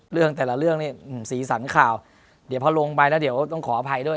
เรื่องแต่ละเรื่องนี่สีสันข่าวเดี๋ยวพอลงไปแล้วเดี๋ยวต้องขออภัยด้วย